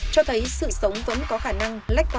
cho thấy sự sống vẫn có khả năng lách ra